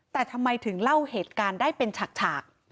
แต่ทำไมถึงเล่าเหตุการณ์ได้เป็นฉาก